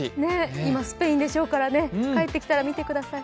今スペインでしょうから帰ってきたら見てください。